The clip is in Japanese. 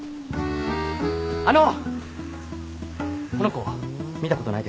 あのこの子見たことないですか？